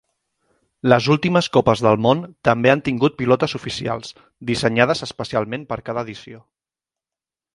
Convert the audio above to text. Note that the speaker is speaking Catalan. Les últimes Copes del Món també han tingut pilotes oficials, dissenyades especialment per cada edició.